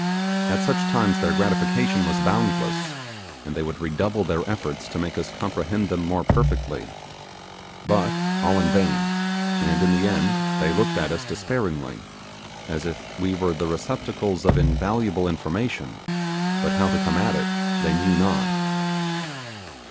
At such times their gratification was boundless, and they would redouble their efforts to make us comprehend them more perfectly. But all in vain; and in the end they looked at us despairingly, as if we were the receptacles of invaluable information; but how to come at it they knew not.